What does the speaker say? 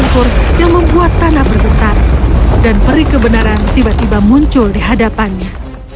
ada gemuruh kumpur yang membuat tanah bergetar dan peri kebenaran tiba tiba muncul di hadapannya